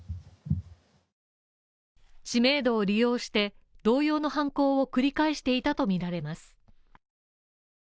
知名度を利用して、同様の犯行を繰り返していたとみられます。